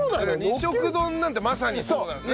二色丼なんてまさにそうなんですね。